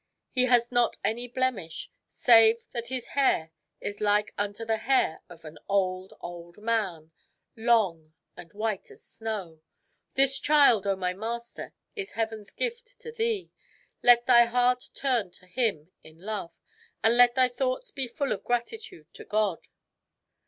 He has not any blemish, save that his hair is like unto the hair of an old, old man — long, and white as snow. This child, O my master, is heaven's gift to thee. Let thy heart turn to him in love, and let thy thoughts be full of grati tude to God."